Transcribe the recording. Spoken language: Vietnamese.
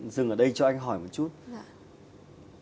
dừng ở đây cho anh hỏi một chút